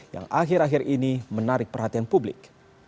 yang akhir akhir ini menarik perhatian publik